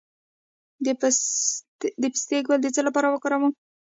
د پسته ګل د څه لپاره وکاروم؟